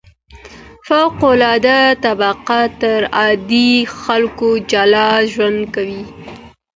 فوق العاده طبقه تر عادي خلګو جلا ژوند کوي.